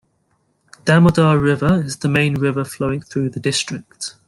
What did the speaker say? Damodar River is the main river flowing through the district.